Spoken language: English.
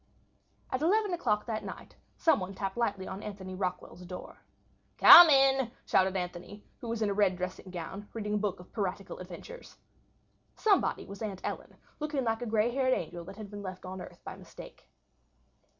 At 11 o'clock that night somebody tapped lightly on Anthony Rockwall's door. "Come in," shouted Anthony, who was in a red dressing gown, reading a book of piratical adventures. Somebody was Aunt Ellen, looking like a grey haired angel that had been left on earth by mistake.